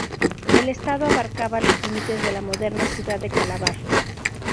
El estado abarcaba los límites de la moderna ciudad de Calabar.